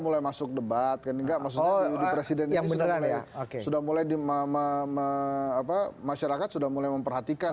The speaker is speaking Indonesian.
sudah masuk debat dan enggak mau oh ya sudah mulai dimama apa masyarakat sudah mulai memperhatikan